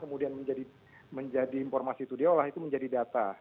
beberapa informasi yang diolah kemudian menjadi informasi itu diolah itu menjadi data